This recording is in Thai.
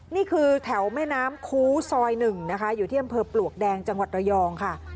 นี่คือแถวแม่น้ำคู้ซอย๑นะคะอยู่ที่อำเภอปลวกแดงจังหวัดระยองค่ะ